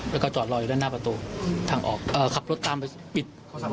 แล้วก็จอดรออยู่ด้านหน้าประตูทางออกขับรถตามไปปิด